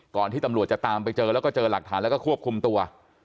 ที่ตำรวจจะตามไปเจอแล้วก็เจอหลักฐานแล้วก็ควบคุมตัว